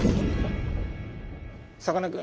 さかなクン。